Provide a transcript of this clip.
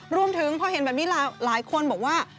รวมถึงพอเห็นแบบนี้หลายคนบอกว่า